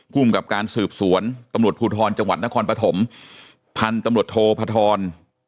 ภูมิกับการสืบสวนตำรวจภูทรจังหวัดนครปฐมพันธุ์ตำรวจโทพธร